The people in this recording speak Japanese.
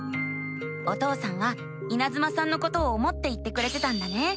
お父さんはいなずまさんのことを思って言ってくれてたんだね。